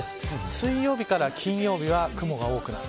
水曜日から金曜日は雲が多くなる。